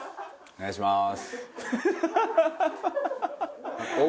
お願いします。